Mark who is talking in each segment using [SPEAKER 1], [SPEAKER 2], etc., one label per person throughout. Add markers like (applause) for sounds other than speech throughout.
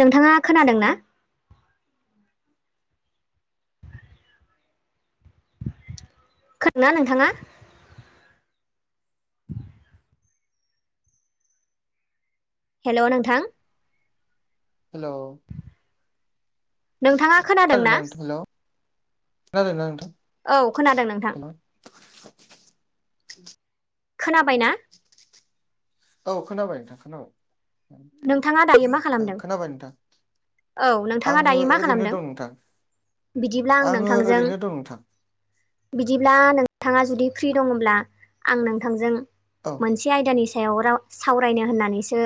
[SPEAKER 1] नोंथाङा खोनादों ना? खोनादों ना नोंथाङा? हेल' नोंथां।
[SPEAKER 2] हेल'
[SPEAKER 1] नोंथाङा खोनादों ना
[SPEAKER 2] (unintelligible)
[SPEAKER 1] औ खोनादों नोंथां।
[SPEAKER 2] हेलौ
[SPEAKER 1] खोनाबाय ना
[SPEAKER 2] औ खोनाबाय नोंथां खोनाबाय
[SPEAKER 1] नोंथाङा दायो मा खालामदों
[SPEAKER 2] खोनाबाय नोंथां
[SPEAKER 1] औ नोंथाङा
[SPEAKER 2] आङो
[SPEAKER 1] दायो मा
[SPEAKER 2] ओरैनो
[SPEAKER 1] खालामदों
[SPEAKER 2] दं नोंथां
[SPEAKER 1] बिदिब्ला आं
[SPEAKER 2] आङो
[SPEAKER 1] नोंथांजों
[SPEAKER 2] ओरैनो दं नोंथां
[SPEAKER 1] बिदिब्ला नोंथाङा जुदि फ्रि दङब्ला आं नोंथांजों
[SPEAKER 2] औ
[SPEAKER 1] मोनसे आयदानि सायाव र सावरायनो होननानैसो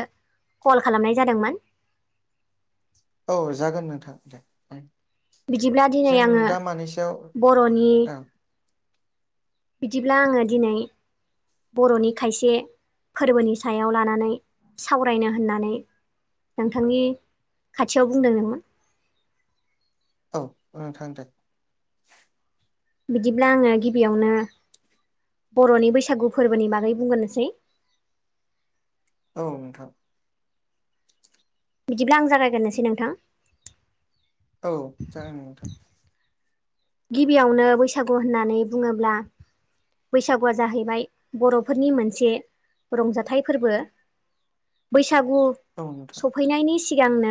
[SPEAKER 1] कल खालामनाय जादोंमोन।
[SPEAKER 2] औ जागोन नोंथां दे।
[SPEAKER 1] बिदिब्ला दिनै
[SPEAKER 2] जों
[SPEAKER 1] आङो
[SPEAKER 2] दा मानि सायाव
[SPEAKER 1] बर'नि
[SPEAKER 2] औ
[SPEAKER 1] बिदिब्ला आङो दिनै बर'नि खायसे फोरबोनि सायाव लानानै सावरायनो होननानै। नोंथांनि खाथियाव बुंदों (unintelligible)
[SPEAKER 2] औ औ नोंथां दे
[SPEAKER 1] बिदिब्ला आङो गिबियावनो बर'नि बैसागु फोरबोनि बागै बुंग्रोनोसै
[SPEAKER 2] औ नोंथां
[SPEAKER 1] बिदिब्ला आं जागायग्रोनोसै नोंथां
[SPEAKER 2] औ (unintelligible)
[SPEAKER 1] गिबियावनो बैसागु होननानै बुङोब्ला बैसागुआ जाहैबाय बर'फोरनि मोनसे रंजाथाइ फोरबो बैसागु
[SPEAKER 2] औ नोंथां
[SPEAKER 1] फैनायनि सिगांनो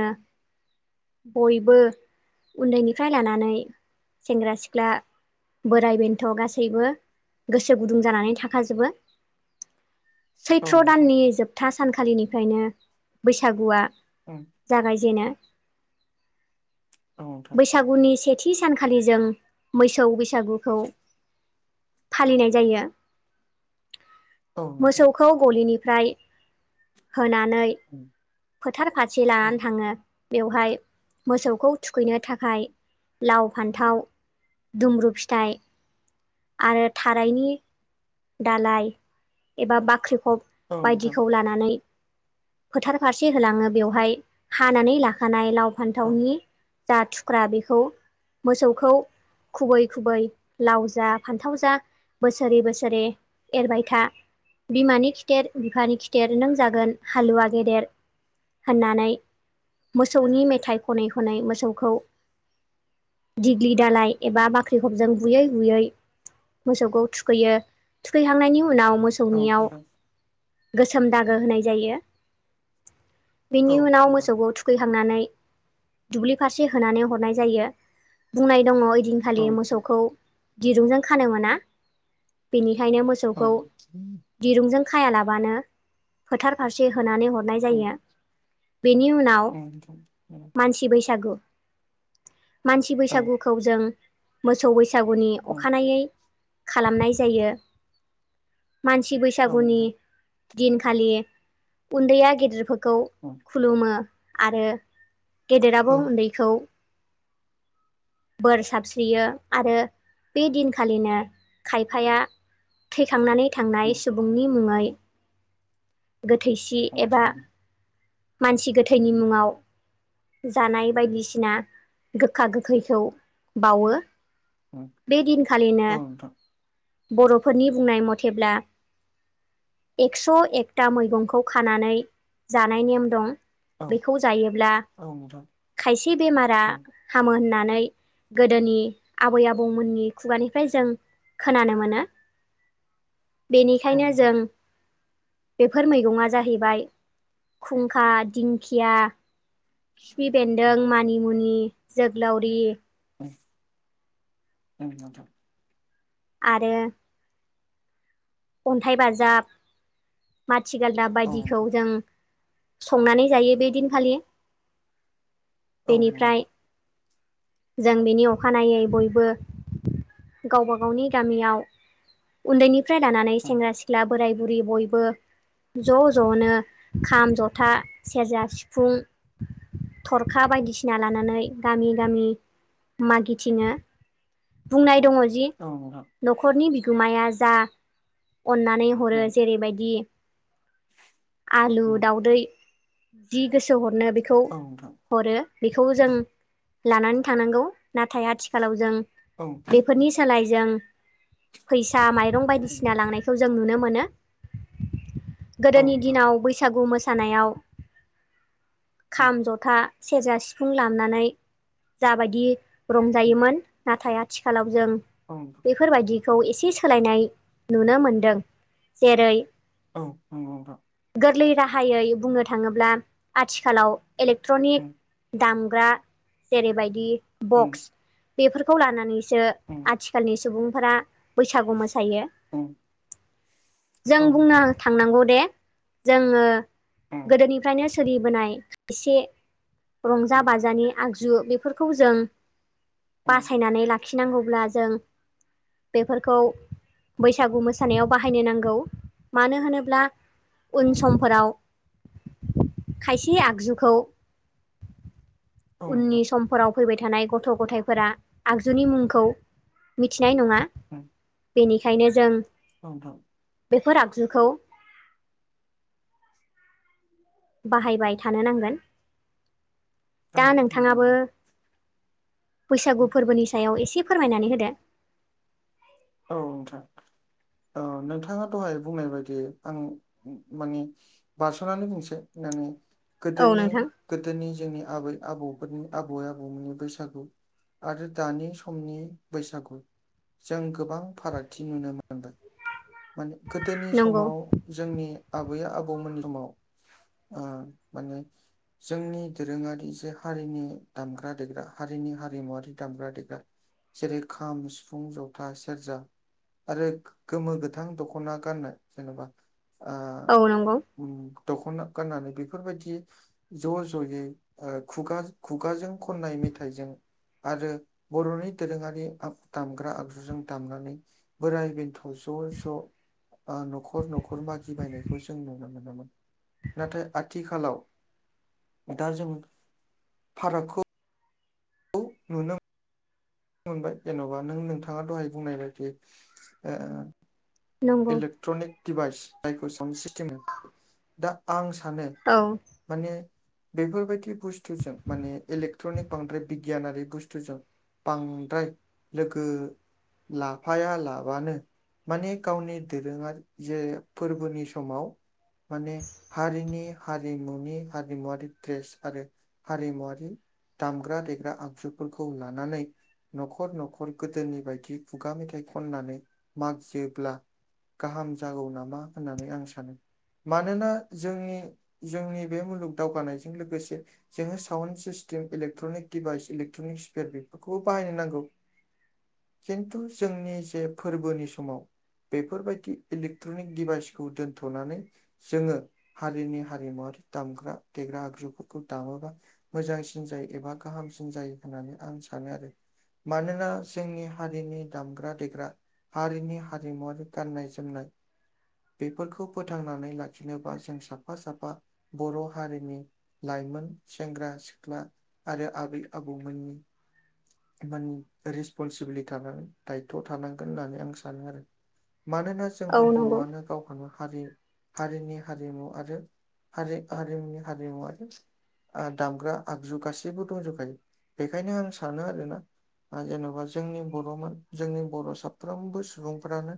[SPEAKER 1] बयबो उन्दैनिफ्राय लानानै सेंग्रा सिख्ला बोराइ बेन्थ' गासैबो गोसो गुदुं जानानै थाखाजोबो
[SPEAKER 2] औ
[SPEAKER 1] सैथ्र'
[SPEAKER 2] नोंथां
[SPEAKER 1] दाननि जोबथा सानखालिनिफ्रायनो बैसागुआ
[SPEAKER 2] औ
[SPEAKER 1] जागाय जेनो
[SPEAKER 2] औ
[SPEAKER 1] बैसागुनि सेथि सानखालि जों मोसौ बैसागुखौ फालिनाय जायो
[SPEAKER 2] औ नोंथां
[SPEAKER 1] मोसौखौ खौ गलिनिफ्राय होनानै
[SPEAKER 2] औ
[SPEAKER 1] फोथार फथि लानानै थाङो बेवहाय मोसौखौ थुखैनो थाखाय लाव फान्थाव दुमब्रु फिथाइ आरो थारायनि दालाय एबा बाख्रिफब
[SPEAKER 2] औ नोंथां
[SPEAKER 1] बायदिखौ लानानै फोथार फारसे होलाङो बेवहाय हानानै लाखानाय लाव
[SPEAKER 2] औ
[SPEAKER 1] फान्थावनि जा थुख्रा बेखौ मोसौखौ खुबै खुबै लाव जा फान्थाव जा बोसोरे बोसोरे एरबाय था बिमानि खिथेर बिफानि खिथेर नों जागोन हालुवा गेदेर होननानै मोसौनि मेथाइ खनै खनै मोसौखौ दिग्लि दालाय एबा बाख्रिखबजों बुयै बुयै मोसौखौ थुखैयो थुखैखांनायनि उनाव मोसौ
[SPEAKER 2] औ
[SPEAKER 1] मोसौनियाव
[SPEAKER 2] नोंथां
[SPEAKER 1] गोसोम दागो होनाय जायो बिनि
[SPEAKER 2] औ
[SPEAKER 1] उनाव
[SPEAKER 2] नोंथां
[SPEAKER 1] मोसौखौ थुख थुखैहांनानै दुब्लि फारसे होनानै हरनाय जायो बुंनाय दङ'। दिनखालि मोसौखौ दिरुंजों खानो मोना। बेनिखायनो
[SPEAKER 2] औ
[SPEAKER 1] मोसौखौ दिरुंजों खायालाबानो फोथार फारसे होनानै हरनाय
[SPEAKER 2] उम
[SPEAKER 1] जायो बेनि उनाव
[SPEAKER 2] उम नोंथां उम
[SPEAKER 1] मानसि बैसागु मानसि
[SPEAKER 2] औ
[SPEAKER 1] बैसागुखौ जों मोसौ बैसागुनि
[SPEAKER 2] औ
[SPEAKER 1] अखानायै खालामनाय जायो। मानसि बैसागुनि
[SPEAKER 2] नोंथां
[SPEAKER 1] दिनखालि उन्दैया गेदेरफोरखौ
[SPEAKER 2] औ
[SPEAKER 1] खुलुमो आरो
[SPEAKER 2] औ
[SPEAKER 1] गेदेराबो उन्दैखौ बोर साबस्रियो आरो बे दिनखालिनो खायफाया थैखांनानै थांनाय
[SPEAKER 2] उम
[SPEAKER 1] सुबुंनि मुङै गोथैसि
[SPEAKER 2] उम
[SPEAKER 1] एबा
[SPEAKER 2] उम
[SPEAKER 1] मानसि गोथैनि मुङाव जानाय बायदिसिना गोखा गोखैखौ बावो।
[SPEAKER 2] उम,
[SPEAKER 1] बे दिनखालिनो
[SPEAKER 2] औ नोंथां
[SPEAKER 1] बर'फोरनि बुंनाय मथेब्ला एक्स' एक टा मैगंखौ खानानै जानाय नेम दं।
[SPEAKER 2] औ
[SPEAKER 1] बेखौ जायोब्ला
[SPEAKER 2] औ नोंथां
[SPEAKER 1] खायसे बेमारा
[SPEAKER 2] उम
[SPEAKER 1] हामो होननानै गोदोनि आबै आबौमोननि खुगानिफ्राय जों खोनानो मोनो।
[SPEAKER 2] औ
[SPEAKER 1] बेनिखायनो
[SPEAKER 2] नोंथां
[SPEAKER 1] जों बेफोर मैगङा जाहैबाय खुंखा दिंखिया खिफि
[SPEAKER 2] उम
[SPEAKER 1] बेन्दों, मानिमुनि, जोग्लावरि
[SPEAKER 2] उम उम नोंथां
[SPEAKER 1] आरो अन्थाइ बाजाब माथि गालदाब
[SPEAKER 2] औ
[SPEAKER 1] बायदिखौ
[SPEAKER 2] नोंथां
[SPEAKER 1] जों संनानै जायो बे दिनखालि।
[SPEAKER 2] औ नोंथां
[SPEAKER 1] बेनिफ्राय जों बेनि अखानायै बयबो गावबा गावनि गामियाव उन्दैनिफ्राय लानानै सेंग्रा सिख्ला बोराय बुरि बयबो ज' ज'नो खाम जथा सेरजा सिफुं थरखा बायदिसिना लानानै गामि गामि मागिथिङो। बुंनाय दङ जि
[SPEAKER 2] औ नोंथां
[SPEAKER 1] न'खरनि बिगोमाया जा अननानै हरो जेरैबायदि आलु
[SPEAKER 2] उम
[SPEAKER 1] दावदै जि गोसो हरनो बेखौ
[SPEAKER 2] औ नोंथां उम
[SPEAKER 1] हरो बेखौ
[SPEAKER 2] उम
[SPEAKER 1] जों लानानै थानांगौ नाथाय आथिखालाव जों
[SPEAKER 2] औ
[SPEAKER 1] बेफोरनि सोलाय जों फैसा माइरं बाय सिना लांनायखौ जों नुनो मोनो गोदोनि
[SPEAKER 2] नोंथां
[SPEAKER 1] दिनाव बैसागु मोसानायाव खाम जथा सेरजा सिफुं लामनानै जाबायदि
[SPEAKER 2] उम,
[SPEAKER 1] रंजायोमोन नाथाय आथिखालाव जों
[SPEAKER 2] औ
[SPEAKER 1] बेफोर बायाददिखौ एसे सोलायनाय नुनो मोनदों जेरै
[SPEAKER 2] औ नंगौ नोंथां
[SPEAKER 1] गोरलै राहायै बुंनो थाङोब्ला आथिखालाव
[SPEAKER 2] उम
[SPEAKER 1] इलेक्ट्रनिक दामग्रा जेरैबायदि
[SPEAKER 2] उम
[SPEAKER 1] बक्स बेफोरखौ लानानैसो
[SPEAKER 2] औ
[SPEAKER 1] आथि खालनि सुबुंफोरा बैसागु मोसायो।
[SPEAKER 2] नोंथां औ नंगौ
[SPEAKER 1] जों
[SPEAKER 2] नोंथां उम उम
[SPEAKER 1] बुंनो
[SPEAKER 2] उम
[SPEAKER 1] थांनांगौ दे जोङो गोदोनिफ्रायनो सोलिबोनाय खायसे रंजा बाजानि आगजु बेफोरखौ जों बासायनानै लाख खिनांगौब्ला जों बेफोरखौ सागु मोसानायाव बाहायनो नांगौ मानो होनोब्ला उन
[SPEAKER 2] उम
[SPEAKER 1] समफोराव खायसे आगजुखौ
[SPEAKER 2] औ नंगौ नोंथां उम औ नोंथां
[SPEAKER 1] उननि समफोराव फैबाय थानाय गथ' गथायाइफोरा आगजुनि मुंखौ मिथिनाय नङा
[SPEAKER 2] उ
[SPEAKER 1] बेनिखायनो जों
[SPEAKER 2] औ नोंथां
[SPEAKER 1] बेफोर आगजुखौ बाहायबाय थानो नांगोन
[SPEAKER 2] औ
[SPEAKER 1] दा
[SPEAKER 2] नंगौ
[SPEAKER 1] नोंथाङाबो
[SPEAKER 2] नोंथां
[SPEAKER 1] बैसागु
[SPEAKER 2] उम
[SPEAKER 1] फोरबोनि सायाव एसे फोरमायनानै होदो
[SPEAKER 2] औ नोंथां अ नोंथाङा दहाय बुंनाय बायदि आं मानि बारस'नानै बुंसै नानि
[SPEAKER 1] औ
[SPEAKER 2] गोदोनि
[SPEAKER 1] नोंथां
[SPEAKER 2] गोदोनि जोंनि आबै आबौफोरनि आबय आबौ मोननि बैसागु आरो दानि समनि बैसागु जों गोबां फारागथि नुनो मोनदों माने गोदोनि
[SPEAKER 1] नंगौ
[SPEAKER 2] समाव जोंनि आबै आबौमोननि समाव ओ माने जोंनि दोरोङारि जे हारिनि दामग्रा देग्रा हारिनि हारिमुवारि दामग्रा देग्रा जेरै खाम सिफुं ज था सेरजा आरो गोमो गोथां दखना गाननाय जेनबा ओ
[SPEAKER 1] औ नंगौ
[SPEAKER 2] उम दखना गाननानै बेफोरबायदि ज' ज'यै ओ खुगा खुगाजों खननाय मेथाइजों आरो बर'नि दोरोङारि आफ दामग्रा आग जों दामनानै बोराय बेन्थ' ज' ज' ओ नखर नखर मागि बायनायखौ जों नुनो मोनोमोन नाथाय आथिखालाव दा जों फारागखौ नुनो मोनबाय जेनबा नों नोंथाङा दहाय बुंनाय बायदि ओ
[SPEAKER 1] नंगौ
[SPEAKER 2] इलेक्ट्रनिक डिभाइस जायखौ साउन्ड सिटिम (unintelligible) दा आं सानो
[SPEAKER 1] औ
[SPEAKER 2] माने बेफोरबायदि बुस्थुजों माने इलेक्ट्रनिक बांद्राय बिगियानारि बुस्थुजों बांद्राय लोगो लाफाया लाबानो माने गावनि दोरोङा जे फोरबोनि समाव माने हारिनि हारिमुनि हारिमुवरारि द्रेस आरो हारिमुवारि दामग्रा देग्रा आगजुफोरखौ लानानै नखर नखर गोदोनि बायदि खुगा मेथाइ खननानै मागियोब्ला गाहाम जागौ नामा होननानै आं सानो मानोना जोंनि जोंनि बे मुलुग दावगानायजों लोगोसे जोङो sound system electronic device electronic spare बेफोरखौबो बाहायनो नांगौ खिन्थु जोंनि जे फोरबोनि समाव बेफोरबायदि इलेक्ट्रनिक डिभाइसखौ दोन्थनानै जोङो हारिनि हारिमुवारि दामग्रा देग्रा आगजुफोरखौ दामोबा मोजांसिन जायो एबा गाहामसिन जायो होननानै आं सानो आरो मानोना जोंनि हारिनि दामग्रा देग्रा हारिनि हारिमुवारि गाननाय जोमनाय बेफोरखौ फोथांनानै लाखिनोबा जों साफा साफा बर‌' हारिनि लाइमोन सेंग्रा सिख्ला आरो आबै आबौमोननि एबानि रेसपनसिबिलिटि थानांगोन दायथ' थानांगोन होननानै आं सानो आरो। मानोना
[SPEAKER 1] औ
[SPEAKER 2] जोंहा
[SPEAKER 1] नंगौ
[SPEAKER 2] बर'आनो गावखौनो हारि हारिनि हारिमु आरो हारि हारिमुनि हारिमु आरो ओ दामग्रा आगजु गासैबो दंजोबखायो बेखायनो आं सानो आरोना ओ जेनबा जोंनि बरमोन जोंनि बर' साफ्रोमबो सुबुं फोरानो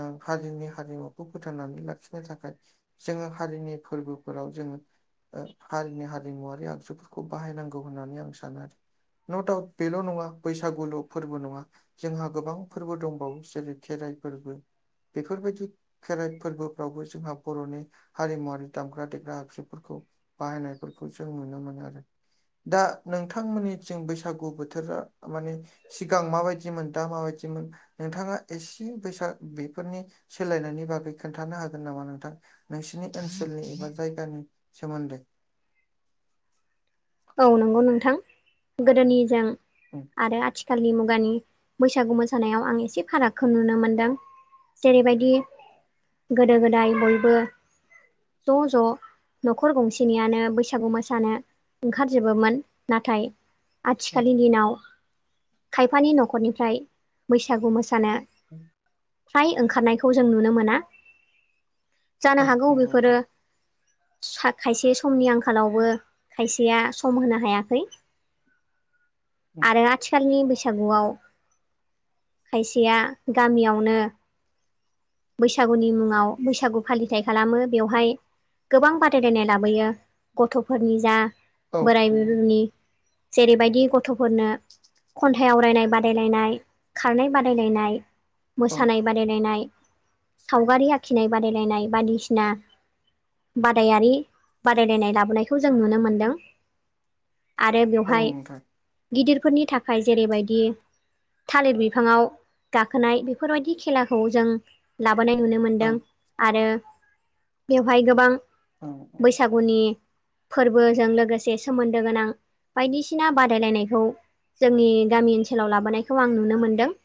[SPEAKER 2] ओ हारिनि हारिमुखौ फोथांनानै लाखिनो थाखाय। जोङो हारिनि फोरबोफोराव जोङो। ओ हारिनि हारिमुवारि आगजुफोरखौ बाहायनांगौ होननानै आं सानो आरो। न दाउट बेल नङा बैसागुल फोरबो नङा जोंहा गोबां फोरबो दंबावो जेरै- खेराइ फोरबो बेफोरबायदि खेराइ फोरबोफ्रावबो जोंहा बर'नि हारिमुवारि दामग्रा देग्रा आबजुफोरखौ। बाहायनायफोरखौ जों नुनो मोनो आरो। दा नोंथांमोननिथिं बैसागु बोथोरा माने सिगां माबायदिमोन दा माबायदिमोन नोंथाङा एसे बैसाग बेफोरनि सोलायनायनि बागै खोन्थानो हागोन नामा नोंथां? नोंसिनि ओनसोलनि एबा जायगानि सोमोन्दै।
[SPEAKER 1] औ नांगौ नोंथां। गोदोनिजों
[SPEAKER 2] उम
[SPEAKER 1] आरो आथिखाल खालि मुगानि बैसागु मोसानायाव आं एसे फारागखौ नुनो मोनदों। जेरैबायदि गोदो गोदाय बयबो ज' ज' न'खर गंसेनियानो बैसागु मोसानो। ओंखारजोबोमोन नाथाय आथिखालनि दिनाव खायफानि न'खरनिफ्राय बैसागु मोसानो।
[SPEAKER 2] उम (inaudible)
[SPEAKER 1] फ्राय ओंखारनायखौ जों नुनो मोना। जानो
[SPEAKER 2] औ
[SPEAKER 1] हागौ
[SPEAKER 2] नंगौ
[SPEAKER 1] बेफोरो
[SPEAKER 2] नोंथां
[SPEAKER 1] सा खायसे समनि आंखालावबो खायसेया सम होनो हायाखै
[SPEAKER 2] उम
[SPEAKER 1] आरो आथिखालनि बै सागुआव खायसेया गामियावनो। बैसागुनि मुङाव बैसागु फालिथायाइ खालामो बेवहाय। गोबां बादायलायनाय लाबोयो गथ'फोरनि जा
[SPEAKER 2] औ
[SPEAKER 1] बोराइ बुरनि जेरैबायदि गथ'फोरनो खन्थाइ आवरायनाय बादाय लायनाय खारनाय बादाय लायनाय
[SPEAKER 2] नंगौ
[SPEAKER 1] मोसानाय बादाय लायनाय। बादायलायनाय सावगारि आखिनाय बादायलायनाय बायदिसिना बादायारि बादायलायनाय लाबोनायखौ जों नुनो मोन्दों। आरो
[SPEAKER 2] औ
[SPEAKER 1] बेवहाय
[SPEAKER 2] नोंथां
[SPEAKER 1] गिदिरफोरनि थाखाय जेरैबायदि थालिर बिफाङाव गाखोनाय बेफोरबायदि खेलाखौ जों लाबोनाय नुनो
[SPEAKER 2] औ
[SPEAKER 1] मोनदों आरो बेवहाय गोबां।
[SPEAKER 2] औ औ।
[SPEAKER 1] गुनि फोरबोजों लोगोसे सोमोन्दो गोनां बायदिसिना बादायलायनायखौ। जोंनि गामि ओनसोलाव लाबोनायखौ आं नुनो मोन्दों।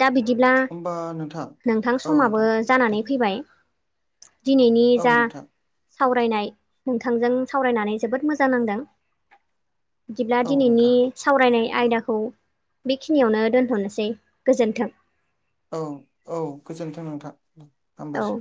[SPEAKER 1] दा बिदिब्ला
[SPEAKER 2] होनबा नोंथां औ नोंथां। दे
[SPEAKER 1] जानानै फैबाय दिनैनि
[SPEAKER 2] औ
[SPEAKER 1] जा
[SPEAKER 2] नोंथां
[SPEAKER 1] सावरायनाय नोंथांजों सावरायनानै जोबोद मोजां नांदों। बिदिब्ला
[SPEAKER 2] औ
[SPEAKER 1] दिनैनि
[SPEAKER 2] नोंथां
[SPEAKER 1] सावरायनाय आयदाखौ बेखिनियावनो दोनथ'नोसै गोजोन्थों।
[SPEAKER 2] औ औ गोजोन्थों नोंथां
[SPEAKER 1] औ
[SPEAKER 2] हामबायसै।